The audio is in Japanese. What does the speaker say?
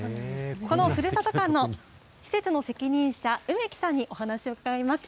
このふるさと館の施設の責任者、梅木さんにお話を伺います。